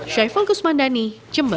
syafiqus mandani jembal